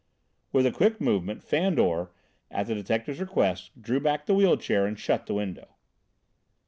With a quick movement Fandor, at the detective's request, drew back the wheel chair and shut the window.